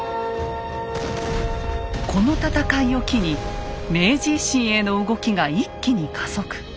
この戦いを機に明治維新への動きが一気に加速。